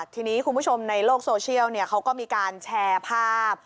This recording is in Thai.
ทีนี้คุณผู้ชมในโลกโซเชียลเขาก็มีการแชร์ภาพ